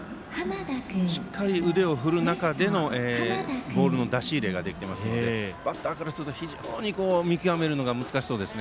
しっかり腕を振る中でボールの出し入れができていますからバッターからすると非常に見極めるのが難しそうです。